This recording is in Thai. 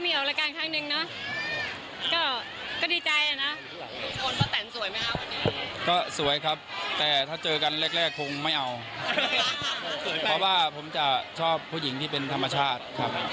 แซวกันว่าอยากมีลูกคนที่สามมีความยังไง